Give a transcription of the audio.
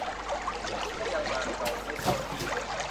ก็ยังมาไกลไม่เท่าที่